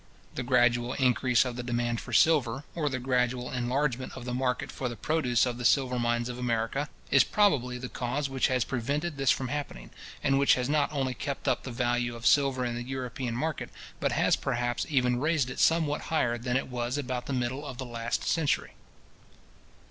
The gradual increase of the demand for silver, or the gradual enlargement of the market for the produce of the silver mines of America, is probably the cause which has prevented this from happening, and which has not only kept up the value of silver in the European market, but has perhaps even raised it somewhat higher than it was about the middle of the last century.